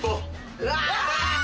うわ！